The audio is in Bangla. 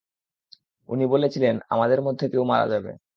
উনি বলেছিলেন, আমাদের মধ্যে কেউ মারা যাবে!